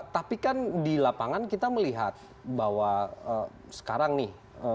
tapi kan di lapangan kita melihat bahwa sekarang nih